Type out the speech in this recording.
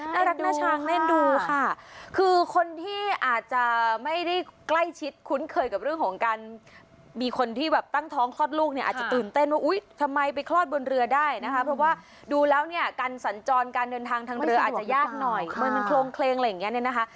น่ารักน่าช้างเล่นดูค่ะคือคนที่อาจจะไม่ได้ใกล้ชิดคุ้นเคยกับเรื่องของการมีคนที่แบบตั้งท้องคลอดลูกเนี่ยอาจจะตื่นเต้นว่าอุ๊ยทำไมไปคลอดบนเรือได้นะคะเพราะว่าดูแล้วเนี่ยการสัญจรการเดินทางทางเรืออาจจะยากหน่อยเหมือนมันโครงเคลงอะไรอย่างเงี้เนี่ยนะคะ